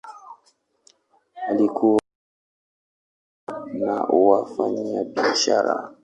Walikuwa wakulima na wafanyabiashara.